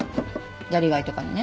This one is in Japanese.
やりがいとかにね。